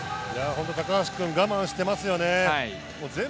高橋君が我慢してますよね。